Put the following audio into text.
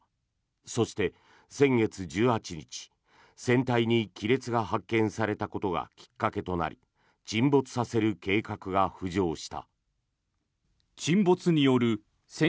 そして、先月１８日船体に亀裂が発見されたことがきっかけとなり沈没させる計画が浮上した。